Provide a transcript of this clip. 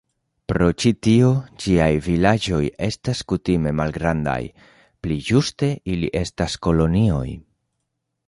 Pro ĉi tio, ĝiaj vilaĝoj estas kutime malgrandaj, pli ĝuste ili estas kolonioj.